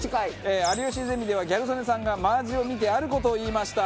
『有吉ゼミ』ではギャル曽根さんが真アジを見てある事を言いました。